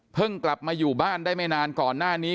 กลับมาอยู่บ้านได้ไม่นานก่อนหน้านี้